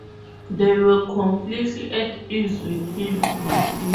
They were completely at ease with him.